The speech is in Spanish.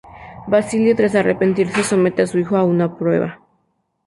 Basilio, tras arrepentirse, somete a su hijo a una prueba.